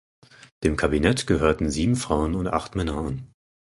Dem Kabinett gehörten sieben Frauen und acht Männer an.